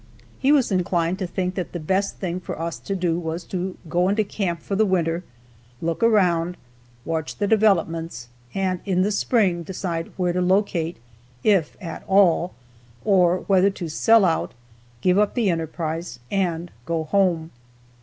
He was inclined to think that the best thing for us to do was to go into camp for the winter, look around, watch the developments, and in the spring decide where to locate, if at all, or whether to sell out, give up the enterprise and go home.